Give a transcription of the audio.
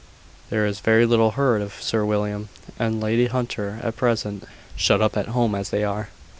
"There is very little heard of Sir William and Lady Hunter at present shut up at home as they are.